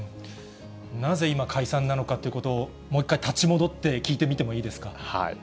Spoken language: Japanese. なぜ今、解散なのかということを、もう一回、立ち戻って聞いてみてもいいですか。